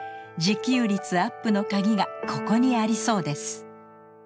自給率アップのカギがここにありそうです。